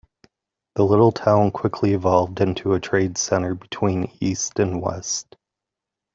The little town quickly evolved into a trade center between east and west.